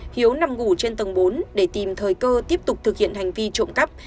hiếu nằm ngủ trên tầng bốn để tìm thời cơ tiếp tục thực hiện hành vi trộm cắp